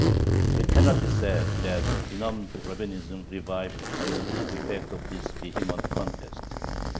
It cannot be said that benumbed Rabbinism revived under the effect of this vehement contest.